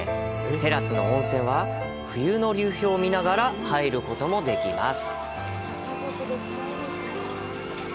テラスの温泉は冬の流氷を見ながら入ることもできます。